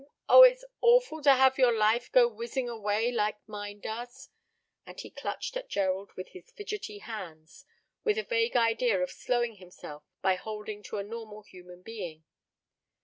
Oh, it's awful to have your life go whizzing away like mine does," and he clutched at Gerald with his fidgety hands, with a vague idea of slowing himself by holding to a normal human being.